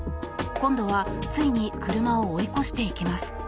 今度はついに車を追い越していきます。